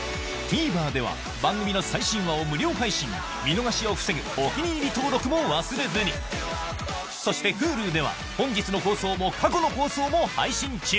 ＴＶｅｒでは番組の最新話を無料配信見逃しを防ぐ「お気に入り」登録も忘れずにそしてＨｕｌｕでは本日の放送も過去の放送も配信中